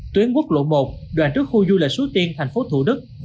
tuyến quốc lộ một đoàn trước khu du lệch suốt tiên tp thủ đức